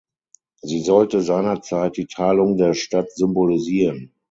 Sie sollte seinerzeit die Teilung der Stadt symbolisieren.